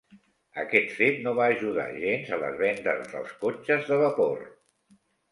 Aquest fet no va ajudar gens a les vendes dels cotxes de vapor.